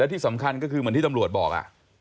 ที่สำคัญก็คือเหมือนที่ตำรวจบอก